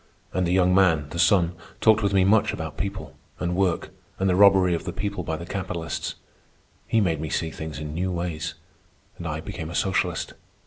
And the young man, the son, talked with me much about people, and work, and the robbery of the people by the capitalists. He made me see things in new ways, and I became a socialist.